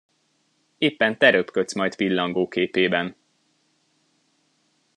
Éppen te röpködsz majd pillangó képében!